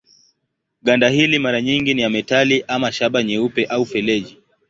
Ganda hili mara nyingi ni ya metali ama shaba nyeupe au feleji.